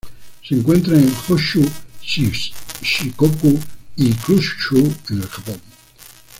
Se encuentra en Honshu, Shikoku y Kyushu, en el Japón.